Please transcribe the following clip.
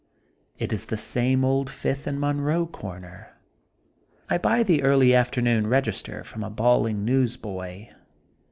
It is the old Fifth and Monroe comer. I buy the early afternoon Reg ister from a bawling newsboy.